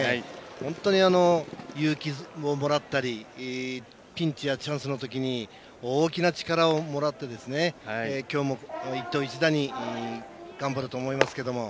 本当に勇気をもらったりピンチやチャンスのときに大きな力をもらってきょうも一投一打に頑張ると思いますけども。